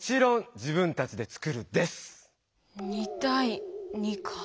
２対２か。